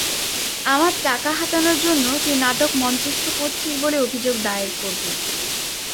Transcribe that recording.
আমার টাকা হাতানোর জন্য তুই নাটক মঞ্চস্থ করছিস বলে অভিযোগ দায়ের করবো।